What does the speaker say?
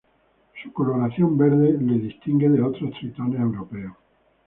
Su coloración verde le distingue de otros tritones europeos.